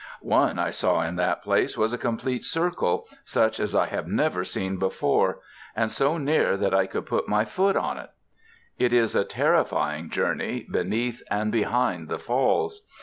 One I saw in that place was a complete circle, such as I have never seen before, and so near that I could put my foot on it. It is a terrifying journey, beneath and behind the Falls.